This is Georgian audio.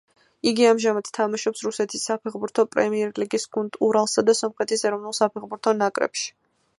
იგი ამჟამად თამაშობს რუსეთის საფეხბურთო პრემიერლიგის გუნდ ურალსა და სომხეთის ეროვნულ საფეხბურთო ნაკრებში.